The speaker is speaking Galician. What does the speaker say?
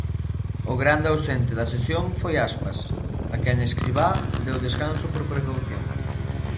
O grande ausente da sesión foi Aspas, a quen Escribá deu descanso por precaución.